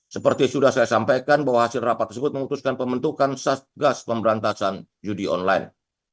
seperti sudah saya sampaikan bahwa hasil rapat tersebut memutuskan pembentukan satgas pemberantasan judi online